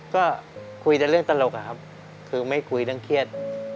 ก็คุยแค่เรื่องตลกครับคือไม่คุยดังเครียด